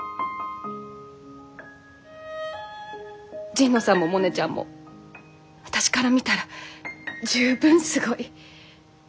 神野さんもモネちゃんも私から見たら十分すごい。